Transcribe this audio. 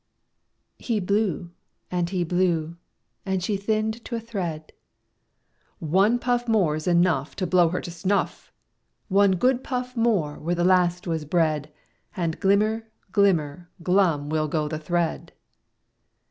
He blew and he blew, and she thinned to a thread. "One puff More's enough To blow her to snuff! One good puff more where the last was bred, And glimmer, glimmer, glum will go the thread!"